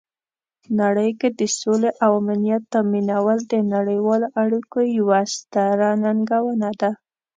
نړۍ کې د سولې او امنیت تامینول د نړیوالو اړیکو یوه ستره ننګونه ده.